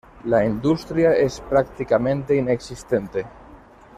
La industria es prácticamente inexistente.